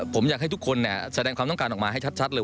ผมอยากให้ทุกคนแสดงความต้องการออกมาให้ชัดเลย